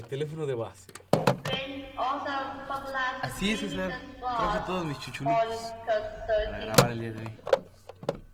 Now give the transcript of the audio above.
Brain also popularized the two Richard Strauss horn concerti.